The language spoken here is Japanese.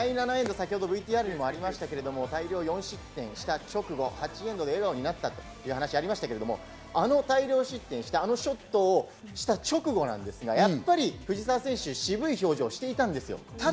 第７エンド、ＶＴＲにもありましたけど、大量４失点した直後、８エンド、笑顔になったという話がありましたが、あの大量失点したあのショットをした直後なんですが、やっぱり藤澤選手、渋い表情をしていたんです。